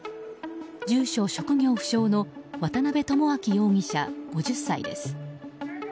住所・職業不詳の渡辺智朗容疑者、５０歳です。